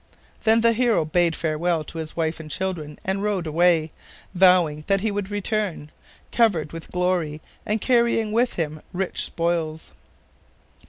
Then the hero bade farewell to his wife and children and rode away, vowing that he would return, covered with glory and carrying with him rich spoils.